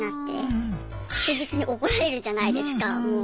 確実に怒られるじゃないですかもう。